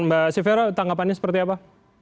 mbak syevera tanggapannya seperti apa